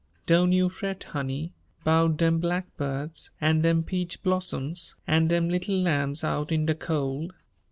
"Doan' you fret, honey, 'bout dem blackbirds, an' dem peach blossoms, an' dem little lambs out in de cold.